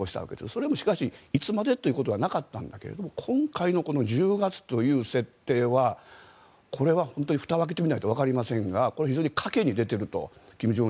それもしかし、いつまでということはなかったんですが今回の１０月という設定はこれは本当にふたを開けてみないとわかりませんがこれは非常に金正恩氏が賭けに出ていると。